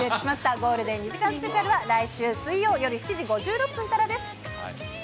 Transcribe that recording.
ゴールデン２時間スペシャルは、来週水曜夜７時５６分からです。